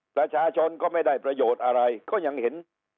ประชาชนก็ไม่ได้ประโยชน์อะไรก็ยังเห็น